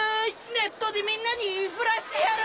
ネットでみんなに言いふらしてやる！